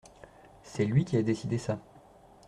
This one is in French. C’est lui qui a décidé ça…